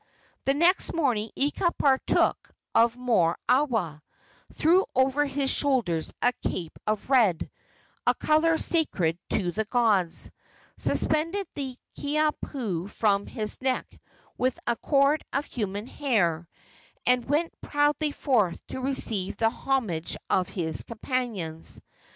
The next morning Ika partook of more awa, threw over his shoulders a cape of red a color sacred to the gods suspended the Kiha pu from his neck with a cord of human hair, and went proudly forth to receive the homage of his companions.